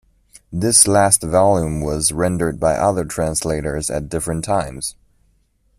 This last volume was rendered by other translators at different times.